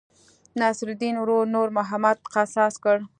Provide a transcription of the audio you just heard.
نصرالیدن ورور نور محمد قصاص کړ.